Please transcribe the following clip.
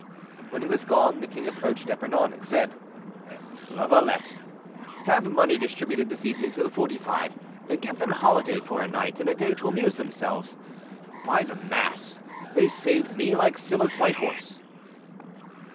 When he was gone the king approached D'Epernon, and said: "Lavalette, have money distributed this evening to the Forty five, and give them holiday for a night and a day to amuse themselves. By the mass! they saved me like Sylla's white horse."